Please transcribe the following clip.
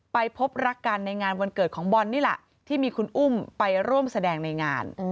ไปพบรักกันในงานวันเกิดของบอลนี่แหละที่มีคุณอุ้มไปร่วมแสดงในงาน